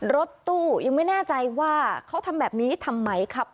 รถตู้ยังไม่แน่ใจว่าเขาทำแบบนี้ทำไมครับ